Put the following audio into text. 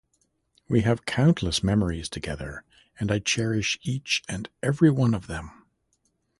We have countless memories together, and I cherish each and every one of them.